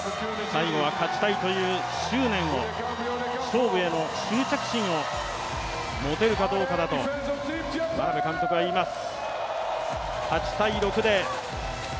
最後は勝ちたいという執念を、勝負への執着心を持てるかどうかだと眞鍋監督は言います。